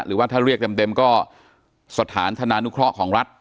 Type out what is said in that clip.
หรือว่าถ้าเรียกเต็มก็สถานธนานุเคราะห์ของรัฐ